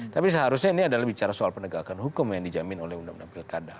tapi seharusnya ini adalah bicara soal penegakan hukum yang dijamin oleh undang undang pilkada